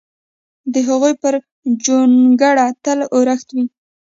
د هغوی پر جونګړه تل اورښت وي!